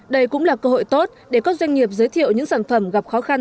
đây cũng là cơ hội tốt để các doanh nghiệp giới thiệu những sản phẩm gặp khó khăn